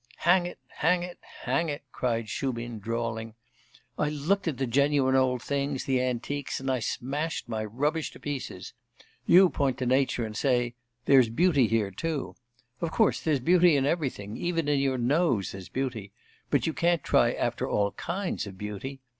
'Hang it! Hang it! Hang it!' cried Shubin, drawling 'I looked at the genuine old things, the antiques, and I smashed my rubbish to pieces. You point to nature, and say "there's beauty here, too." Of course, there's beauty in everything, even in your nose there's beauty; but you can't try after all kinds of beauty.